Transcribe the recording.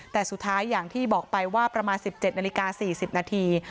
แต่สุดท้ายอย่างที่บอกไปว่าประมาณ๑๗นาฬิกา๔๐นาที